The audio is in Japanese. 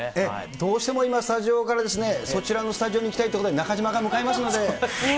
どうしても今、スタジオからそちらのスタジオに行きたいということで中島が向か伺います。